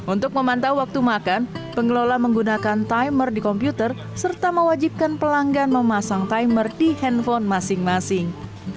untuk memantau waktu makan pengelola menggunakan timer di komputer serta mewajibkan pelanggan memasang timer di handphone masing masing